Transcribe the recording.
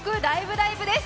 ライブ！」です。